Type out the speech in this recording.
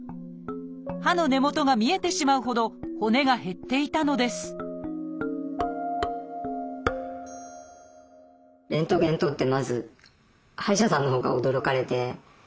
歯の根元が見えてしまうほど骨が減っていたのですレントゲン撮って